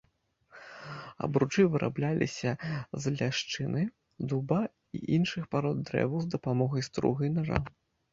Абручы вырабляліся з ляшчыны, дуба і іншых парод дрэваў з дапамогай струга і нажа.